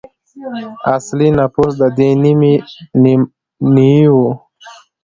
اصلي نفوس د دې نیيي وو.